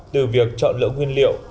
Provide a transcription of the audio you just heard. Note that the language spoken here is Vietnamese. từ việc chọn lỡ nguyên liệu